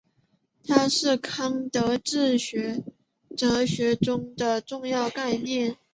它是康德哲学中的重要概念。